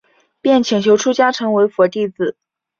便请求出家成为佛弟子。